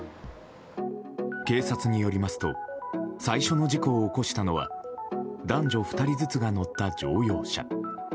警察によりますと最初の事故を起こしたのは男女２人ずつが乗った乗用車。